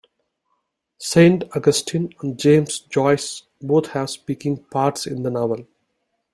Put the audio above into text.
Saint Augustine and James Joyce both have speaking parts in the novel.